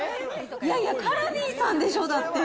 いやいや、カルディさんでしょ、だって。